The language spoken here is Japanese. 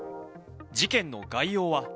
事件の概要は。